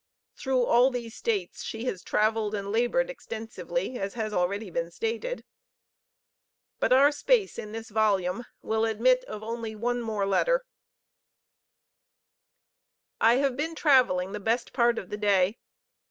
Through all these States she has traveled and labored extensively, as has been already stated; but our space in this volume will admit of only one more letter: "I have been traveling the best part of the day.